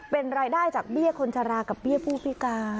เป็นรายได้จากเบี้ยคนชะลากับเบี้ยผู้พิการ